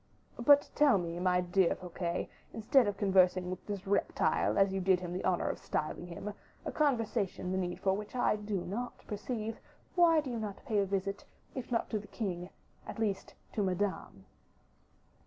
But tell me, my dear Fouquet, instead of conversing with this reptile, as you did him the honor of styling him, a conversation the need for which I do not perceive, why do you not pay a visit, if not to the king, at least to Madame?"